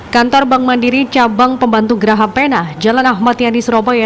kantor bank mandiri cabang pembantu geraha pena jalan ahmad yani surabaya